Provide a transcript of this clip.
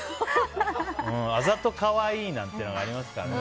あざと可愛いなんていうのがありますからね。